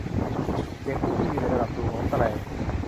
เสียงอู้อี้อยู่ในระดับสูงของแตร